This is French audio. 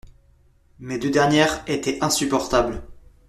Mes deux dernières étaient insupportables…